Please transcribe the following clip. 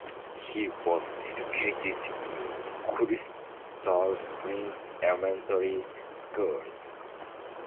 He was educated in Crystal Springs elementary schools.